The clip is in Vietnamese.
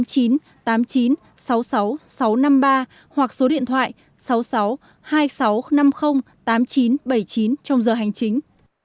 hoặc số điện thoại sáu mươi sáu hai mươi sáu năm mươi tám nghìn chín trăm bảy mươi chín trong giờ hành chính